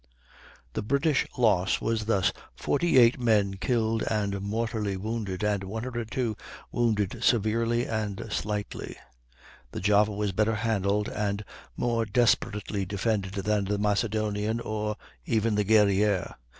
The British loss was thus 48 men killed and mortally wounded, and 102 wounded severely and slightly. The Java was better handled and more desperately defended than the Macedonian or even the Guerrière.